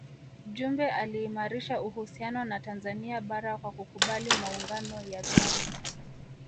Jumbe aliimarisha uhusiano na Tanzania bara kwa kukubali maungano ya vyama